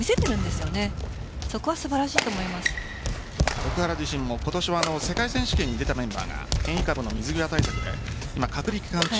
奥原自身も今年は世界選手権に出たメンバーが変異株の水際対策で、隔離期間中。